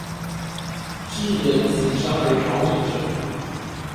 致人死傷而逃逸者